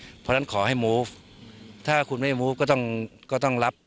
เพราะฉะนั้นขอให้มูฟถ้าคุณไม่มูฟก็ต้องก็ต้องรับ